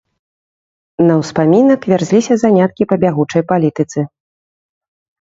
На ўспамінак вярзліся заняткі па бягучай палітыцы.